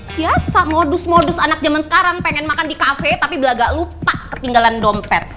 biasa modus modus anak jaman sekarang pengen makan di cafe tapi belak belak lupa ketinggalan dompet